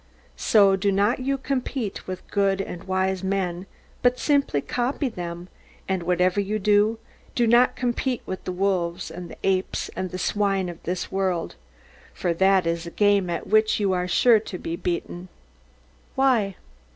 So do not you compete with good and wise men, but simply copy them: and whatever you do, do not compete with the wolves, and the apes, and the swine of this world; for that is a game at which you are sure to be beaten. Why?